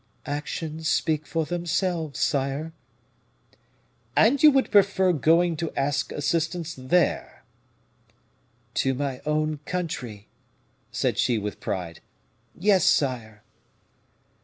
"Actions speak for themselves, sire." "And you would prefer going to ask assistance there " "To my own country!" said she with pride; "yes, sire."